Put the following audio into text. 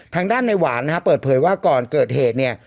ทางด้านในหวานนะฮะเปิดเผยว่าก่อนเกิดเหตุเนี่ย